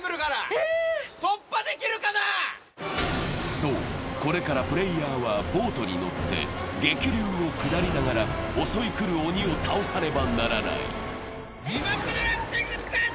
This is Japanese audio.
そう、これからプレーヤーはボートに乗って激流を下りながら襲い来る鬼を倒さねばならない。